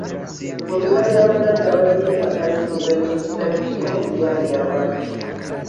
Mu Bika by'Abaganda waliyo empaka z'emizannyo egitali gimu eziyambye abantu.